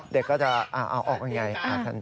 เด็กก็จะเอาออกยังไง